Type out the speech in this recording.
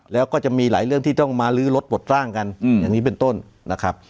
แล้วก็จะมีหลายเรื่องที่ต้องมาลื้อรถปลดร่างกันอย่างนี้เป็นต้นนะครับ